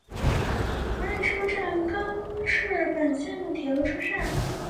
古濑车站根室本线的铁路车站。